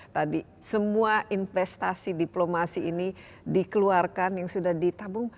tadi semua investasi diplomasi ini dikeluarkan yang sudah ditabung